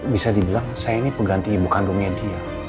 bisa dibilang saya ini pengganti ibu kandungnya dia